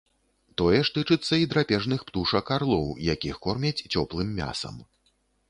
Тое ж тычыцца і драпежных птушак арлоў, якіх кормяць цёплым мясам.